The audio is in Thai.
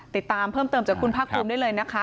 ติดตามเพิ่มเติมจากคุณภาคภูมิได้เลยนะคะ